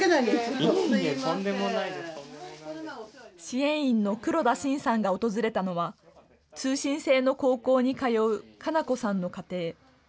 支援員の黒田真さんが訪れたのは通信制の高校に通うかなこさんの家庭。